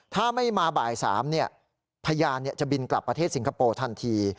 ถ้าไม่มาบ่าย๓พยานจะบินกลับประเทศสิงคโปร์ทันที